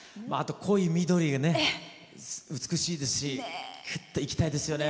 濃い緑、美しいですしクッといきたいですね。